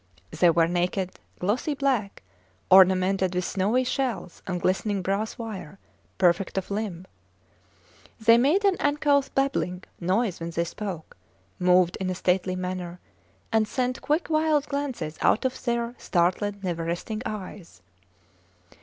They were naked, glossy black, ornamented with snowy shells and glistening brass wire, perfect of limb. They made an uncouth babbling noise when they spoke, moved in a stately manner, and sent quick, wild glances out of their startled, never resting eyes.